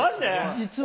実は。